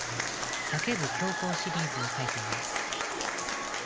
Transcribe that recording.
「叫ぶ教皇」シリーズを描いています。